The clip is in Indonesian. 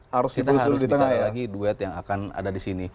kita harus bisa lagi duet yang akan ada disini